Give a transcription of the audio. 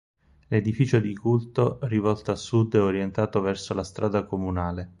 L'edificio di culto rivolto a sud è orientato verso la strada comunale.